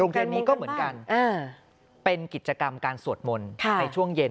เทศนี้ก็เหมือนกันเป็นกิจกรรมการสวดมนต์ในช่วงเย็น